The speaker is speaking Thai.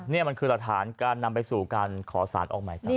เนี่ยมันคือตรฐานการนำไปสู่การขอสารออกใหม่จากนี้